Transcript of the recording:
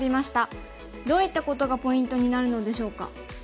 どういったことがポイントになるのでしょうか。